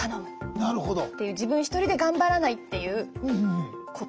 なるほど。っていう「自分１人でがんばらない」っていうこと。